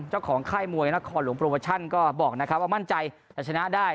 เจ้าของค่ายมวยนครหลวงโปรโมชั่นก็บอกว่ามั่นใจจะชนะได้